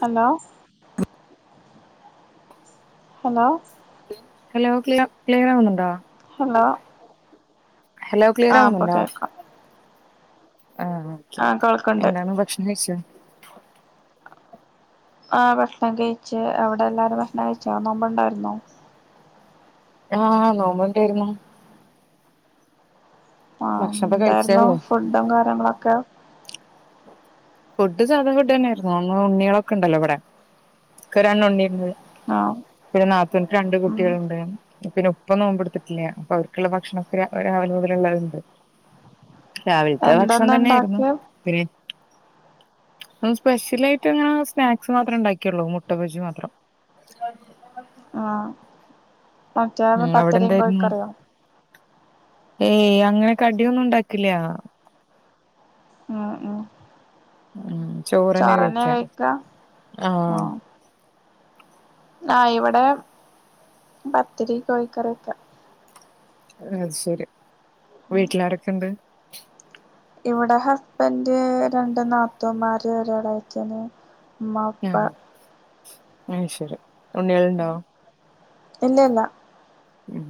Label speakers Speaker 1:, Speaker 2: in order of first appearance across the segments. Speaker 1: Hello hello
Speaker 2: hello KLIA ക്ലിയറാകുന്നുണ്ടോ
Speaker 1: hello
Speaker 2: hello
Speaker 1: ആഹ് ഇപ്പൊ
Speaker 2: ക്ലിയറാവുന്നുണ്ടോ
Speaker 1: കേക്കാം
Speaker 2: ആ ഓക്കെ
Speaker 1: ആഹ് കേൾക്കണ്ട്
Speaker 2: എന്താണ് ഭക്ഷണം കഴിച്ചൊ
Speaker 1: ആ ഭക്ഷണം കഴിച്ച്. അവിടെല്ലാരും ഭക്ഷണം കഴിച്ചോ നോമ്പുണ്ടായിരുന്നോ
Speaker 2: ആ നോമ്പുണ്ടായിരുന്നു
Speaker 1: ആ
Speaker 2: ഭക്ഷണൊക്കെ
Speaker 1: എന്തായിരുന്നു
Speaker 2: കഴിച്ചേള്ളൂ
Speaker 1: ഫുഡുംകാര്യങ്ങളൊക്കെ
Speaker 2: ഫുഡ് സാധാ ഫുഡെന്നായിരുന്നു അന്ന് ഉണ്ണികളൊക്കെണ്ടല്ലോ ഇവിടെ എക്ക് രണ്ടുണ്ണി ഇണ്ട്
Speaker 1: ആ
Speaker 2: നാത്തൂന്ക്ക് രണ്ട് കുട്ടികളുണ്ട് പിന്നെ ഉപ്പ നോമ്പെടുത്തിട്ടില്ല അപ്പൊ അവർക്കുള്ള ഭക്ഷണൊക്കെ രാവിലെമുതലേ എല്ലാരുണ്ട്
Speaker 1: [inaudible] എന്താന്നിണ്ടാക്കിയെ
Speaker 2: സ്പെഷ്യലായിട്ട്ങ്ങനെ സ്നാക്സ് മാത്രെണ്ടാക്കിയുള്ളൂ മുട്ടബജി മാത്രം [unintelligible]
Speaker 1: ആ മറ്റേ
Speaker 2: ഉം അവിടെ
Speaker 1: പത്തിരിയും
Speaker 2: എന്തായിരുന്നു
Speaker 1: കോഴിക്കറിയും
Speaker 2: ഏയ് അങ്ങനെ കടിയൊന്നുണ്ടാക്കില്ല
Speaker 1: ഉം ഉം
Speaker 2: ഉം ചോറെന്നെ കഴിക്കാ ആ ആ
Speaker 1: ആ ഇവിടെ പത്തിരി കോഴിക്കറിയൊക്കെ
Speaker 2: അത്ശെരി വീട്ടിലാരൊക്ക്ണ്ട്
Speaker 1: ഇവിടെ ഹസ്ബന്റ് രണ്ട് നാത്തൂമ്മാര് ഒരെളേച്ചാന് ഉമ്മ ഉപ്പ
Speaker 2: ആയ് ശരി ഉണ്ണികളുണ്ടോ
Speaker 1: ഇല്ലല്ല
Speaker 2: ഉം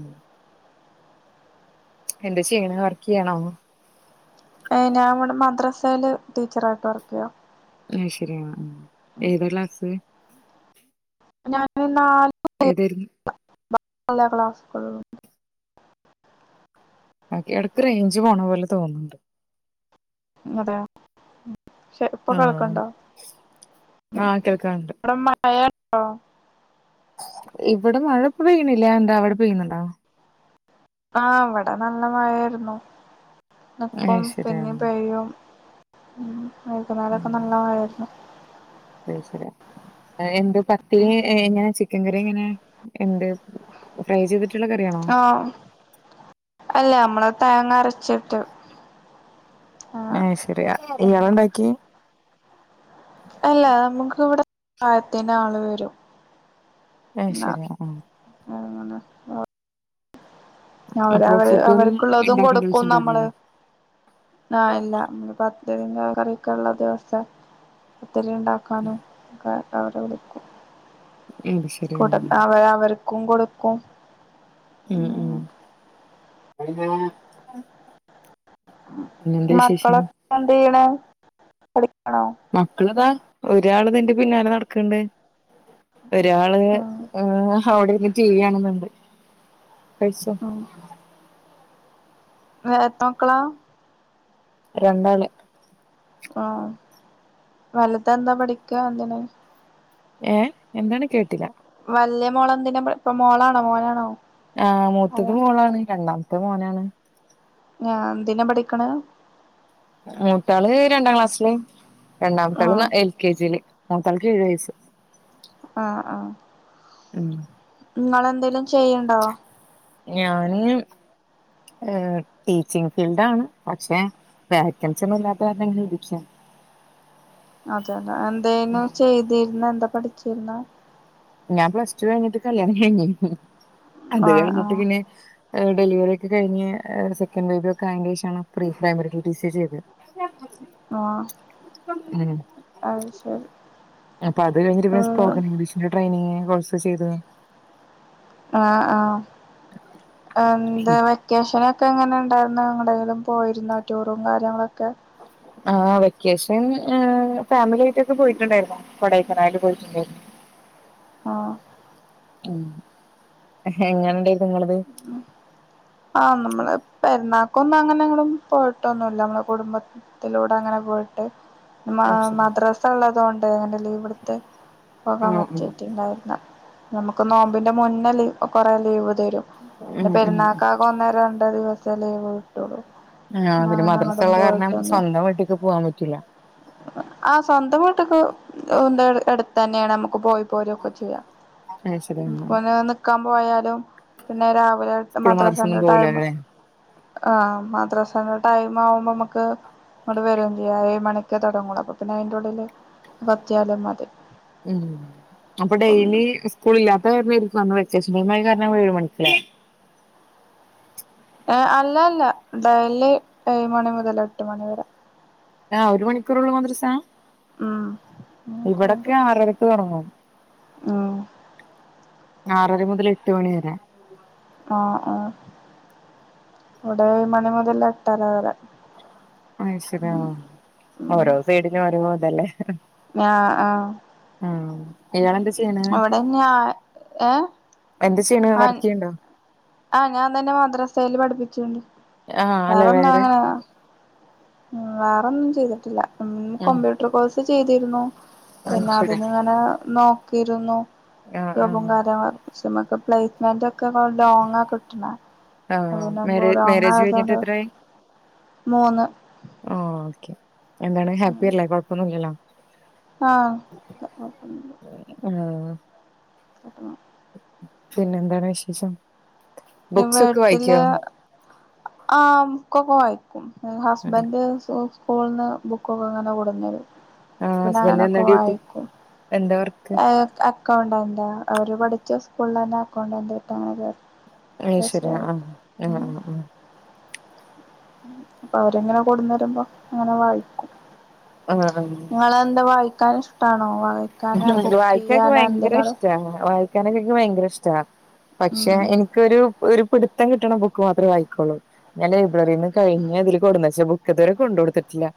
Speaker 2: എന്താ ചെയ്യ്ണ് വർക്ക് ചെയ്യാണോ
Speaker 1: ഞാൻ ഇവിടെ മദ്രസ്സയില് ടീച്ചറായിട്ട് വർക്കെയ്യാ
Speaker 2: ആയ് ശരി ആ-ആ ഏതാ ക്ലാസ്
Speaker 1: ഞാന് നാല്
Speaker 2: ഏതായിരുന്നു
Speaker 1: പലാ ക്ലാസുകൾ ഉണ്ട്
Speaker 2: ഒക്കെ എടക്ക് റേഞ്ച് പോണ പോലെ തോന്നുന്നുണ്ട്
Speaker 1: അതെ പ ക്ഷെ ഇപ്പൊ
Speaker 2: ആഹ്
Speaker 1: കേൾക്കണ്ടോ
Speaker 2: ആഹ് കേൾക്കാണ്ട്
Speaker 1: അവിടെ മഴ ണ്ടോ ഇപ്പോ
Speaker 2: ഇവിടെ മഴപ്പപെയ്യണില്ല എന്താ അവിടെ പെയ്യുന്നുണ്ടോ
Speaker 1: ആ ഇവിടെ നല്ല മഴായിരുന്നു
Speaker 2: അത്
Speaker 1: നിക്കും
Speaker 2: ശരി
Speaker 1: പിന്നെ
Speaker 2: ആഹ്
Speaker 1: പെയ്യും ഉം വൈകുന്നേരഒക്കെ നല്ല മഴായിരുന്നു
Speaker 2: അയ് ശരി എന്ത് പത്തിരി ഇങ്ങനെ ചിക്കൻ കറി ഇങ്ങനെ എന്ത് ഫ്രൈ ചെയ്തിട്ട്
Speaker 1: ആ അല്ല നമ്മള് തേങ്ങരച്ചിട്ട്
Speaker 2: ഏ ശെരിയാ ഇയാള ഉണ്ടാക്കി
Speaker 1: അല്ല നമുക്ക് ഇവിടെ അത്താഴത്തിന് ആള് വരും
Speaker 2: ആ
Speaker 1: എന്നാ
Speaker 2: ശരിയാ ആ
Speaker 1: അങ്ങനെ ആ അവര്
Speaker 2: അപ്പൊ
Speaker 1: അവര്
Speaker 2: ഫുഡ് ഒന്നും
Speaker 1: അവർക്കുള്ളതും
Speaker 2: ഇണ്ടാക്കേണ്ട
Speaker 1: കൊടുക്കും
Speaker 2: ആവശ്യം
Speaker 1: നമ്മള്
Speaker 2: ഉണ്ടാവില്ലല്ലേ
Speaker 1: ആഹ് ഇല്ല [unintelligible] [unintelligible] ദിവസഒത്തിരിണ്ടാക്കാനും ക്കെ അവരെ വിള്ക്കും
Speaker 2: അത് ശരി
Speaker 1: കൂട്ട
Speaker 2: ആ.
Speaker 1: അവർ അവർക്കും കൊടുക്കും
Speaker 2: ഉം ഉം പിന്നെന്ത വിശേഷം
Speaker 1: മക്കളൊക്കെ എന്ത് ചെയ്യണ് പഠി
Speaker 2: മക്കളതാ ഒരാള് ഇത് ന്റെ പിന്നാലെ നടക്കണ്ട് ഒരാള്
Speaker 1: ഉം
Speaker 2: അവിടെ ഇരുന്ന് റ്റിവി കാണുന്നുണ്ട് കയിച്ചോ
Speaker 1: [unintelligible] മക്കള്ള
Speaker 2: രണ്ടാള്
Speaker 1: ആഹ് വലുത് എന്താ പഠിക്ക എന്തിന്
Speaker 2: ഏഹ് എന്താണ് കേട്ടില്ല
Speaker 1: വല്യ മോളെന്തിനാ ഇപ്പൊ മോളാണോ മോനാണോ
Speaker 2: ആഹ് മൂത്തത്
Speaker 1: ആരാ
Speaker 2: മോളാണ് രണ്ടാമത്തെ മോനാണ്
Speaker 1: ആഹ് എന്തിനാ പഠിക്കണെ
Speaker 2: മൂത്താള് രണ്ടാക്ലാസ്സില്
Speaker 1: ആഹ്
Speaker 2: രണ്ടാമത്തള് എൽ കെ ജില് മൂത്തൾക്ക് ഏഴുവയസ്സ്
Speaker 1: ആഹ് ആഹ്
Speaker 2: ഉം
Speaker 1: ങ്ങളെന്തെലും ചെയ്യണ്ടോ
Speaker 2: ഞാന് എ ടീച്ചിങ് ഫീൽഡാണ് പക്ഷെ വേക്കൻസി ഒന്നുംഇല്ലാത്ത കാർണം ഇങ്ങനെ ഇരിക്ക
Speaker 1: അതെയതെ എന്തേന് ചെയ്തിരുന്ന എന്താ പഠിച്ചിരുന്ന
Speaker 2: ഞാൻ പ്ലസറ്റു കഴിഞ്ഞിട്ട് കല്യാണം കഴിഞ്ഞി അത്
Speaker 1: ആഹ്
Speaker 2: കഴിഞ്ഞിട്ട്
Speaker 1: ആഹ്
Speaker 2: പിന്നെ ഡെലിവറി അത് കഴിഞ് സെക്കൻഡ് ബേബി ഒക്കെ ആയേന്റെ ശേഷആണ് pre primary T T C ചെയ്തെ
Speaker 1: ആഹ്
Speaker 2: [unintelligible] ആഹ്
Speaker 1: അത് ശരി
Speaker 2: അപ്പൊ അത് കഴിഞ്ഞിട്ട് പിന്നെ
Speaker 1: ഉം
Speaker 2: സ്പോക്കണിഗ്ലീഷിന്റെ ട്രെയിനിങ് കോഴ്സ് ചെയ്ത്
Speaker 1: ആഹ് ആഹ്. എന്ത് വെക്കേഷന് ക്കെ എങ്ങനെണ്ടാര്ന്ന് എങ്ങടേങ്കിലും പോയിരുന്നോ ടൂറും കാര്യങ്ങളൊക്കെ
Speaker 2: ആഹ് വെക്കേഷൻ ഏഹ് ഫാമിലിയായിട്ടൊക്കെ പോയിട്ടുണ്ടായിരുന്നു കൊടൈക്കനായിൽ പോയിട്ടുണ്ടായിരുന്നു.
Speaker 1: ആഹ്
Speaker 2: ഉം. എഹെങ്ങനണ്ടായിരുന്നു ഇങ്ങളത്?
Speaker 1: ആഹ് നമ്മള് പെരുന്നാക്കൊന്നും അങ്ങനെങ്ങടും പോയിട്ടൊന്നുല്ല നമ്മളെ കുടുംബത്തിലൂടെ അങ്ങനെ പോയിട്ട്, മ മദ്രസ ഉള്ളതോണ്ട് അങ്ങനെ ലീവ്ട്ത്ത്
Speaker 2: ആ
Speaker 1: പോകാൻ
Speaker 2: ഉം
Speaker 1: പറ്റീറ്റ്ണ്ടായിര്ന്ന്ല. നമുക്ക് നോമ്പിന്റെ മുന്നല് പ്പ കൊറെ ലീവ് തരും. പിന്നെ
Speaker 2: ഉം ഉം
Speaker 1: പെരുന്നാക്കാകെ ഒന്നേ രണ്ട് ദിവസേ ലീവ് കിട്ടുള്ളൂ.
Speaker 2: ആഹ് പിന്നെ
Speaker 1: അങ്ങനെ എങ്ങടും
Speaker 2: മദ്രസള്ള കാരണം
Speaker 1: പോയിട്ടൊന്നും
Speaker 2: സ്വന്തം വീട്ടിക്ക് പോവാൻ പറ്റൂല.
Speaker 1: ആഹ് സ്വന്തം വീട്ട്ക് അഹ് [unintelligible] എട് തെന്നേണ്. നമുക്ക് പോയി പോരൊക്കെ ചെയ്യാ.
Speaker 2: അത്
Speaker 1: ഉം
Speaker 2: ശരിയാണ്
Speaker 1: [unintelligible] നിക്കാൻ പോയാലും പിന്നെ രാവിലെ
Speaker 2: സ്കൂൾ മദ്രസ ഒന്നും
Speaker 1: മദ്രസന്റെ ടൈമ്
Speaker 2: പോവൂലല്ലേ
Speaker 1: ആഹ് മദ്രസൻ്റെ ടൈമാവുമ്പ മ്മക്ക് ഇങ്ങട് വരും ചെയ്യാ. ഏഴ് മണിക്ക് തൊടങ്ങൊള്ളു. അപ്പൊ പിന്നെ അയിന്റെ ഉള്ളില് വത്തിയാലും മതി.
Speaker 2: ഉം അപ്പൊ
Speaker 1: അപ്പം
Speaker 2: ഡെയിലി സ്കൂള് ഇല്ലാത്ത കാരണായിരിക്കും അന്ന് വ സ്‌കൂൾമായി കാരണം ഏഴ് മണിക്കാ
Speaker 1: അല്ലല്ല ഡെയ്‌ലി ഏഴ് മണി മുതൽ എട്ട് മണിവരെ.
Speaker 2: ആഹ് ഒരു മണിക്കൂറൊള്ളൂ മദ്രസാ.
Speaker 1: ഉം ഉം
Speaker 2: ഇവടൊക്കെ ആറരക്ക് തൊട്ങ്ങും. ആറര മുതല് എട്ട് മണി വരെ.
Speaker 1: ആഹ് ആഹ്. ഇവടേഴ്മണി മുതൽ എട്ടര വരെ.
Speaker 2: ആശര്യ
Speaker 1: ഉം
Speaker 2: ഓരോ സൈഡിനും വഓരോതല്ലേ
Speaker 1: ഹ ആഹ
Speaker 2: ഇയാളെന്താ ചെയ്യണെ
Speaker 1: അവിടെന്നെയ ഏ
Speaker 2: എന്ത്ാ ചെയ്യണ വർക്ക് ചെയ്യണ്ടോ
Speaker 1: ആഹ് ഞാൻ തന്നെ മദ്രസയില് പഠിപ്പിച്ചിണ്ട്
Speaker 2: ആഹ് അല്ല
Speaker 1: വേറന്നാ
Speaker 2: വേറെ
Speaker 1: അങ്ങനെ വേറെൊന്നും ചെയ്തിട്ടില്ല
Speaker 2: ഉം
Speaker 1: കമ്പ്യൂട്ടർ കോഴ്സ് ചെയ്തിരുന്നു
Speaker 2: അത്
Speaker 1: പിന്നെ
Speaker 2: ശരി
Speaker 1: അതിന് ഇങ്ങനെ നോക്കിയിരുന്നു
Speaker 2: ആഹ്
Speaker 1: രപും
Speaker 2: ആഹ്
Speaker 1: കാര്യങ്ങ പക്ഷെ നമുക്ക് പ്ലേസ്മെന്റ് ഒക്കെ ലോങ് കിട്ടണ
Speaker 2: ആഹജ
Speaker 1: അപ്പോ
Speaker 2: മാരേജ് കഴിഞ്ഞിട്ട് എത്രായി
Speaker 1: മൂന്ന്
Speaker 2: ആ ഓക്കെ എന്താണ് ഹാപ്പില്ലേ കൊഴപ്പൊന്നുമല്ലല്ലോ
Speaker 1: ആഹ
Speaker 2: ആഹ
Speaker 1: എട്ടണ
Speaker 2: പിന്നെന്താണ് വിശേഷം
Speaker 1: പി
Speaker 2: ബുക്സ് ഒക്കെ
Speaker 1: വീട്ടില്
Speaker 2: വായിക്കോ
Speaker 1: ആഹമുക്കൊ പോയി ബും ഹസ്ബൻഡ് സ്കൂളിൽ നിന്ന് ബുക്കൊക്കെ അങ്ങനെ കൊടുന്നരു
Speaker 2: ആഹ്
Speaker 1: പിന്നെ
Speaker 2: ഹസ്ബൻഡ് എന്താ
Speaker 1: അങ്ങനൊക്കെ
Speaker 2: ഡ്യൂട്ടി
Speaker 1: വായിക്കും
Speaker 2: എന്താ വർക്ക്
Speaker 1: അക്കൗണ്ട് എന്താ അവര് പഠിച്ച സ്കൂളിൽ തന്നെ അക്കൗണ്ട് എന്ത കിട്ട
Speaker 2: അ് ശരിയാ ആഹ് ആഹ് ആഹ ആഹ
Speaker 1: അപ്പൊ അവരെങ്ങനെ കൊടുന്ന് വരുമ്പോ അങ്ങനെ വായിക്കും
Speaker 2: ആഹ് ആഹ്
Speaker 1: നിങ്ങെന്താ വായിക്കാൻ ഇഷ്ടാണോ
Speaker 2: ഉ
Speaker 1: വായിക്കാനാ കുക്ക്
Speaker 2: വായിക്കക്ക്െ
Speaker 1: ചെയ്യാനാ
Speaker 2: ഭയങ്കര
Speaker 1: എന്തിനാണ്
Speaker 2: ഇഷ്ട കിക്കാനൊക്കെ എനി ഭയങ്കര ഇഷ്ട പക്ഷെ
Speaker 1: ഉം
Speaker 2: എനിക്കൊരു ഒരു പിടിത്തം കിട്ടണ ബുക്ക് മാത്രേ ആയിക്കോള്ളൂ ഞാൻ ലൈബ്രറിൽന്ന് കഴിഞ്ഞഞ് അതില് കൊടുന്ന പക്ഷേ ബുക്ക്ക്കതുവരെ കൊണ്ട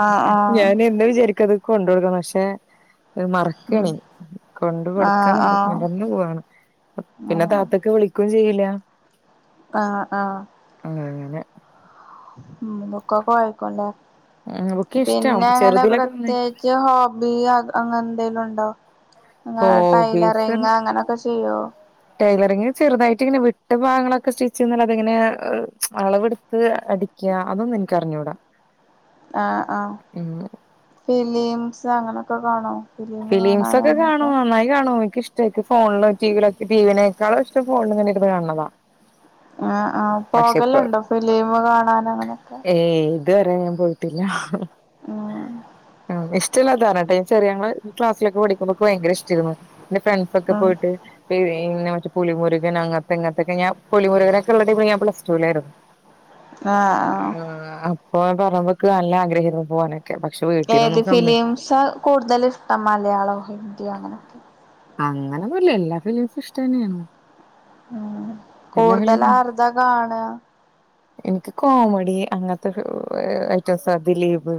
Speaker 1: ആഹ് ആഹ്
Speaker 2: ഞാൻ എന്താ വിചാരിക്കത് കൊണ്ട കൊടുക്കണം പക്ഷെ അത്
Speaker 1: ഉം
Speaker 2: മറക്കണേ കൊണ്ട് കൊടുക്കാൻ
Speaker 1: ആഹ്
Speaker 2: മ
Speaker 1: ആഹ്
Speaker 2: മറന്നു പോവയാണ് പിന്നെ താത്തൊക്ക്െ വിളിക്കുക ചെയ്യ ല്ല
Speaker 1: ആഹ ആഹ ഉ നക്കാക്കോ ആയിക്കല്ലേ
Speaker 2: ബുക്ക് ഇഷ്ടാ
Speaker 1: പിന്നെ അങ്ങനെ
Speaker 2: ചെറുതിലൊക്കെ നന്നായി
Speaker 1: പ്രത്യേകിച്ച് ഹോബി അങ്ങ എന്തലുണ്ടോ അങ്ങ
Speaker 2: ഹോബീസ്
Speaker 1: ടൈലറിങ് അങ്ങനൊക്കെ ചെയ്യോ
Speaker 2: ടൈലറിങ്ങ് ചെറുതായിട്ട് ഇങ്ങനെ വിട്ട് ഭാഗങ്ങളൊക്കെ സ്റ്റിച്ച് ചെയാൽ അതിങ്ങനെ അളവെടുത്ത് അട അതൊന്നും എനക്ക്റിഞ്ഞൂടാ
Speaker 1: ആഹ ആഹ ഫിലിംസ് അങ്ങനെയൊക്കെ കാണോ ഫിലിം
Speaker 2: ഫിലിംസ്
Speaker 1: കാണാൻ
Speaker 2: ഒക്കെ
Speaker 1: അങ്ങനൊക്കെ
Speaker 2: കാണും നന്നായി കാണുമ ഇഷ്ടക്കെ ഫോണില ടി വിയിലക്കെ ടി വിനെക്കാും ഇഷ്ട ഫോണൽ കാണുന്നതാണ്
Speaker 1: ആ ആഹ പോകലണ്ടോ ഫിലിം കാണാൻ അങ്ങനെ.
Speaker 2: ഏയ് ഇത് വരെ ഞാൻ പോഴിടില്ല.
Speaker 1: ഉം.
Speaker 2: ഇഷ്ടമല്ലാധാരണട്ട ചെറ ഞങ്ങള് ക്ലാസ്സിലക്കെ പഠിക്കുമ്പോക്ക ഭയങ്ക ഇഷ്ടമായിരുന്നു എന്റെ ഫ്രണ്ട്സ ഒക്കെ
Speaker 1: ഉം
Speaker 2: പോയിട്ട് പിന്നെ മറ്റേ പുലിമുരുകൻ അങ്ങനത്തെങ്ങനത്തെക്കെ ഞാ പുലിമുരുകനൊക്കെ ഉള്ളടൈമിൽ ഞാൻ പ്ലസ ടുആയിരുന്നു
Speaker 1: ആഹ ആഹ
Speaker 2: പോവാൻ പറയുമ്പൊക്ക് നല്ല ആഗ്രഹിരുന്നു. പോവാനൊക്കെ. പക്ഷെ.
Speaker 1: ഏത്
Speaker 2: വീട്ടീന്നൊന്നും സമ്മ
Speaker 1: ഫിലിംസ് കൂടുതല ഇഷ്ടം മലയാളോ ഹിന്ദിയോ അങ്ങനെയൊക്കെ
Speaker 2: അങ്ങനെൊന്നുംല്ല എല്ലാ ഫിലിംസും ഇഷ്ട തന്നെണ്.
Speaker 1: ഉ കൂടുതൽ ആരതാ കാണ
Speaker 2: എനിക്ക് കോമഡി അങ്ങനത്തെ ഐറ്റവും സ ദി ലീപ്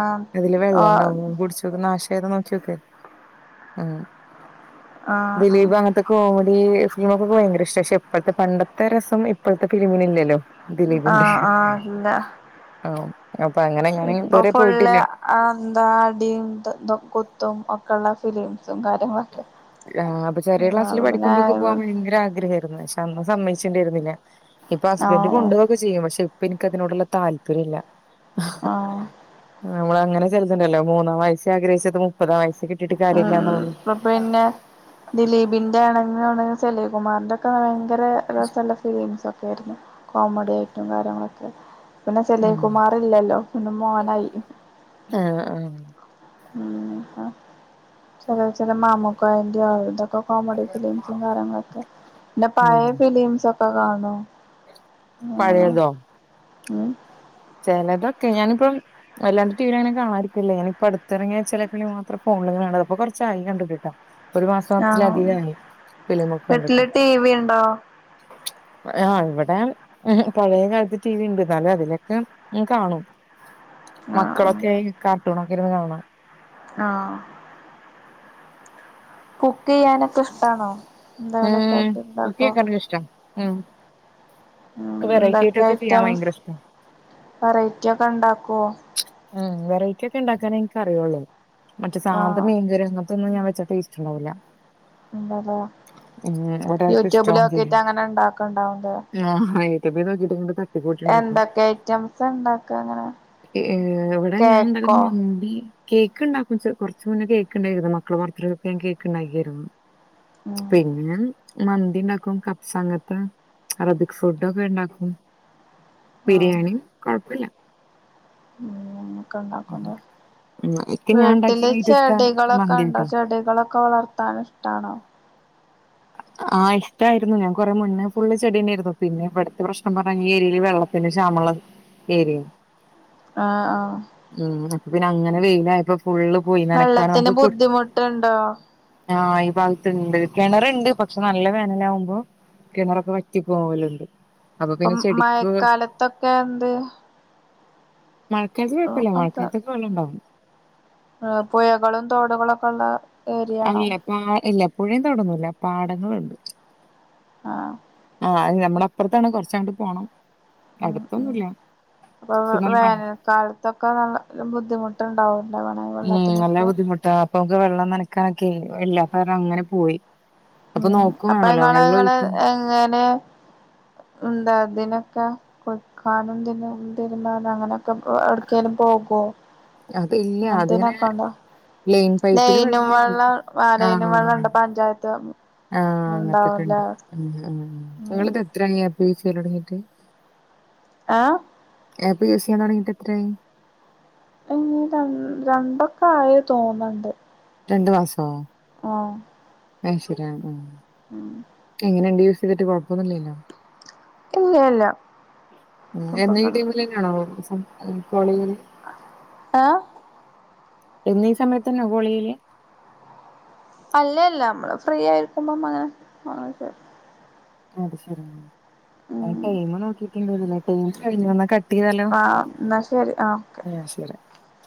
Speaker 1: ആഹ്
Speaker 2: അതില് വെള്ളം
Speaker 1: ആഹ്
Speaker 2: ഉണ്ടാവും കുടിച്ചോക്ക് നാശ നോക്കോക്ക്
Speaker 1: ആഹ് ആഹ്
Speaker 2: ദിലീപ് അങ്ങനത്തൊകോ ഈ ഫിലിമൊക്കെ ഭയങ്കര ഇഷ്ട പക്ഷെ ഇപ്പോഴത്തെ പണ്ടത്തെ രസം ഇപ്പോഴത്തെ ഫലിമിന് ഇല്ലല്ലോ ദിലീപിന്റെ
Speaker 1: ആഹ് ആഹ് ഇല്ല
Speaker 2: ആഹ.
Speaker 1: ഇപ്പൊ ഫുള് അ എന്താ അടിം, കുത്തും, ഒക്കെള്ള [unintelligible] സും കാര്യങ്ങളൊക്കെ
Speaker 2: ആഹ്പ്പൊ ചെറിയ
Speaker 1: ആഹ്
Speaker 2: ക്ലാസ്സിൽ
Speaker 1: അപ്പ പിന്നെ
Speaker 2: പഠിക്കുമ്പോക്കെ പോവാൻ ഭയങ്കര ആഗ്രഹ ആയിരുന്നു പക്ഷെ അന്ന് സമ്മയിച്ചി രുന്നില്ല ഇപ്പൊ ഹസ്ബൻഡറ്
Speaker 1: ആഹ്
Speaker 2: കൊണ്ട്പോകൊക്കെ ചെയ്യും പക്ഷെ ഇപ്പൊ എനിക്ക അതിനോടുള്ള താല്പര്യ ഇില്ല
Speaker 1: ആ
Speaker 2: [unintelligible] അങ്ങനെലുണ്ടല്ലോ മൂന്നാം വയസ്സ ആഗ്രഹിച്ചത് മുപ്പതാം വസ്കി
Speaker 1: അ പിന്നെ ദിലീപിന്റെ ആണെങ്കെിൽ ശെലീ കുമാറിന്റെ ഒക്കെ ങ്കര രസമല്ല ഫീലിംസൊക്കെ ആയിരുന്നു കോമഡി ആയിട്ടും. കാര്യങ്ങളൊക്കെ. പിന്നെ
Speaker 2: ഉം
Speaker 1: സലീകുമാർ ഇല്ലല്ലോ പിന്നെ മോനായി
Speaker 2: ആഹ് ആഹ്
Speaker 1: ഉ ച ചില മാമൂകോയന്റെ അവര്തൊക്ക ഒ കോമഡി ഫിലിംസും. കാര്യങ്ങളൊക്കെ എന്റെ
Speaker 2: ഉം
Speaker 1: പഴയ ഫിലിംസ്. ഒക്കെ കാണും. അങ്ങനെ
Speaker 2: പഴയതോ?
Speaker 1: ഉം
Speaker 2: ചിലതൊക്കെ ഞാനിപ്പം വല്ലാണ്ട് ടി വിൽ അങ്ങനെ കാണാരിക്കില്ലേ ഞാനിപ്പ അടുത്തിറങ്ങിയ ചിലി മാത്ര [unintelligible] കൊറച്ചായി കണ്ടിട്ടിട്ടോ. ഒരു
Speaker 1: ആഹ്
Speaker 2: മാസത്തിലധികമായി ഫിലിമൊക്ക് കണ്ടിട്ട്
Speaker 1: വീട്ടില് ടി വി ഉണ്ടോ
Speaker 2: ആ ഇവിടെ പഴയ കാലത്ത് ടി വി ഉണ്ട്. ന്നാലും അതിലൊെ ഞാൻ കാണും
Speaker 1: ആഹ്
Speaker 2: മക്കളൊക്കെ കാർട്ടൂൺണൊക്കെ ഇരുന്ന് കാണും.
Speaker 1: ആഹ കുക്ക് ചെയ്യാനൊക്കെ ഇഷ്ടാണോ? എന്തെങ്കിലൊക്കെ
Speaker 2: ഉം
Speaker 1: ആയിട്ട് ഇണ്ടാക്കോ
Speaker 2: കുട്ടിയൊക്കാക്ക ഇഷ്ടം ഉം
Speaker 1: ഉ
Speaker 2: ക്ക് വെറൈറ്റി
Speaker 1: എന്തൊക്കെ
Speaker 2: ആയിട്ടൊക്കെ ചെയ്യാൻ
Speaker 1: ഐറ്റം
Speaker 2: ഭയങ്കര ഇഷ്ടാ
Speaker 1: വെറൈറ്റി ഒക്കെ ഉണ്ടാക്കുവോ?
Speaker 2: ഉ വെറൈറ്റി ഒക്കെ ഉണ്ടാക്കാൻ എനിക്ക് അറിയുള്ളൂ മറ്റേ സാധാ
Speaker 1: ആഹ്
Speaker 2: മീൻ കറിഒനും ഇതൊന്നുംഞൻ വെച്ച ടേസ്റ്റ് ഇണ്ടാവൂല്ല
Speaker 1: ഇന്തല്ലെ
Speaker 2: ഒരാൾക്ക് ഇഷ്ടാവും
Speaker 1: യൂട്യൂബിലോക്കിട്ട്
Speaker 2: ചെയ്യും
Speaker 1: അങ്ങനെ ഇണ്ടാക്ക്ണ്ടാവുംലോ
Speaker 2: [unintelligible] ഉണ്ടാക്കും
Speaker 1: എന്തൊക്കെ ഐറ്റംസ് ഉണ്ടാക്ക അങ്ങനെ?
Speaker 2: ഏ എവിടെ ഞാൻ
Speaker 1: കേക്കോ
Speaker 2: ണ്ടാക്കുന്ന മന്തി കേക്ക് ഉണ്ടാക്കും കുറച്ച് മുന്നേ കേക്ക്ണ്ടാക്കും കൊറച്ചുമുന്നേ കേക്കണ്ട് മക്കളെ ബർത്ത്ഡേക്കെ ഞാ കേക്ക്ണ്ടാക്കിരുന്നു
Speaker 1: ഉം
Speaker 2: പിന്നെ മന്തിണ്ടാക്കും കപ്സ അങ്ങൻത്തെ അറബിക് ഫുഡക്കെണ്ടാക്കും ബിരിയാണി കൊഴപ്പല്ല
Speaker 1: മം കണ്ടകൂലെ
Speaker 2: എനിക്ക് ഞാൻ
Speaker 1: വീട്ടില്
Speaker 2: ഉണ്ടാക്കിയതിൽ ഏറ്റവും ഇഷ്ടം
Speaker 1: ചെടികളൊക്കെണ്ടോ
Speaker 2: മന്തിയാട്ടോ
Speaker 1: ചെടികളൊക്കെ വളർത്താൻ ഇഷ്ടണോ
Speaker 2: ആ ഇഷ്ടായിരുന്നു ഞാൻ കുറെ മുന്നേ ഫുള്ള് ചെടിണ്ടേയിരുന്നു പിന്നെ വെള്ളത്തിൻ്റെ പ്രശ്നം പറഞ്ഞാ ഈ ഏരിയൽ വെള്ളത്തിന് ക്ഷാമള്ളത് ഏരിയെ
Speaker 1: ആ ആ
Speaker 2: പിന്നെ അങ്ങനെ വെയിലായപ്പൊ ഫുള്ള് പോയി നനക്കാണ്
Speaker 1: വെള്ളത്തിന്
Speaker 2: നമുക്ക് കുട്
Speaker 1: ബുദ്ധിമുട്ടുണ്ടോ
Speaker 2: ആ ഈ ഭാഗത്തുണ്ട് കെണറെ ണ്ട് പക്ഷെ നല്ല വേനലാകുമ്പോ കിണറൊക്കെ വറ്റിപ്പോകല്ണ്ട്
Speaker 1: ഇപ്പം മഴക്കാലത്തൊക്കെന്ത്
Speaker 2: മഴക്കാലത്ത് കുഴപ്പമില്ല
Speaker 1: കുഴപ്പല്ല
Speaker 2: മഴക്കാലത്തൊക്കെ വെള്ളം ഉണ്ടാവും
Speaker 1: ആ പുഴകളും തോടുകളൊക്കെള്ള ഏരിയാണോ
Speaker 2: അല്ല പാ ഇല്ല എപ്പൊഴെം തൊടങ്ങൂല്ല പാടങ്ങള്ണ്ട്.
Speaker 1: ആഹ
Speaker 2: അത് ഞമ്മളെ അപ്പർത്താണ് കൊറച്ചണ്ട് പോണം
Speaker 1: ഉം ഉം
Speaker 2: അടുത്തൊന്നുമില്ല
Speaker 1: അപ്പൊ
Speaker 2: പക്ഷെ എന്നാലും മഴ
Speaker 1: വേനൽക്കാലത്തൊക്കെ വെള്ളത്തിനു ബുദ്ധിമുട്ടണ്ടാവും
Speaker 2: ഉം നല്ല ബുദ്ധിമുട്ടാ അപ്പൊ നമ്ക്ക് വെള്ളം നനക്കാനൊക്കെ എല്ലാം അപ്പ കാരണം അങ്ങനെ പോയി അപ്പൊ
Speaker 1: ഉം
Speaker 2: നോക്കും
Speaker 1: അപ്പൊ
Speaker 2: വേണല്ലോ
Speaker 1: ഞങ്ങള്
Speaker 2: വെള്ളം
Speaker 1: ങ്ങള്
Speaker 2: ഒഴിക്കും
Speaker 1: എങ്ങനെ- എന്താ അതിനൊക്കെ കുളിക്കാനും പിന്നെതിരുമ്പാനും അങ്ങനെ [unintelligible] ട്ക്കേലും പോവോ
Speaker 2: അതില്ല അത് ഇങ്ങനെ ലൈൻ പൈപ്പില്
Speaker 1: ലൈനും
Speaker 2: വെള്ളംവരുവെ
Speaker 1: വെള്ളം
Speaker 2: ആ
Speaker 1: ലൈനും വെള്ളം ഉണ്ട് പഞ്ചായത്ത്
Speaker 2: ആ അങ്ങത്തൊക്കെണ്ട്
Speaker 1: ഉണ്ടാവുംല്ലേ
Speaker 2: മ് മ്
Speaker 1: ഉം
Speaker 2: നിങ്ങള് [unintelligible] ത്ത്രായി യ്ചൊലടങ്ങീട്ട് [unintelligible]
Speaker 1: ആഹ്
Speaker 2: ആ പി എ സി ചെയ്യാൻ തൊടങ്ങിയിട്ട് എത്ര ആയി
Speaker 1: ഇനി രണ്ട് രണ്ടൊക്കെ ആയി തോന്ന്ണ്ട്
Speaker 2: രണ്ട് മാസവോ
Speaker 1: ആഹ്
Speaker 2: അതുശരി ആഹ് ആഹ് എങ്ങനെ ഇണ്ട് യൂസ് ചെയ്തിട്ട് കൊഴപ്പൊന്നില്ലല്ലോ
Speaker 1: ഇല്ല ഇല്ല
Speaker 2: ഉം നീ എന്നും ഈ ടീംമില്
Speaker 1: കുഴപ്പൊന്നുല്ല.
Speaker 2: തന്നെയാണോ അരിക്കോളയില്
Speaker 1: ഏ
Speaker 2: [unintelligible] എന്നും ഈ സമയത്ത് തന്നെയാ കൊള് ചെയ്ക
Speaker 1: അല്ല ല്ല നമ്മള് ഫ്രീ ആയിരിക്കുമ്പം മാ അഹ് ശരി
Speaker 2: അത് ശരി ആ ഞാൻ
Speaker 1: ഉം
Speaker 2: ടൈം നോക്കിട്ടുണ്ടായിരുനില്ല [unintelligible] കട്ട് കട്ട് ചെയ്താലോ
Speaker 1: ആഹ് എന്നാ ശരി ആഹ് ഓക്കെ
Speaker 2: ആ ശരി [unintelligible]